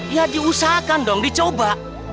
iya diusahakan dong dicoba